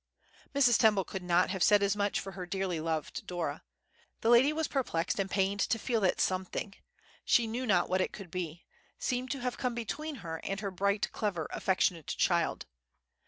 Mrs. Temple could not have said as much for her dearly loved Dora. The lady was perplexed and pained to feel that something—she knew not what it could be—seemed to have come between her and her bright, clever, affectionate child.